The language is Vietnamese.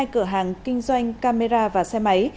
hai cửa hàng kinh doanh camera và xe máy